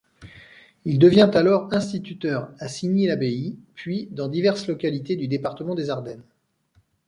Il devient alors Instituteur à Signy-l'Abbaye puis dans diverses localités du département des Ardennes.